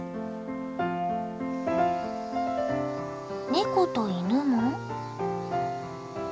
ネコと犬も。